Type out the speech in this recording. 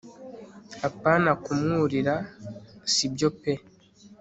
apana kumwurira sibyo pe